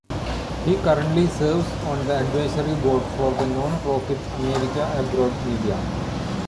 He currently serves on the advisory board for the non-profit America Abroad Media.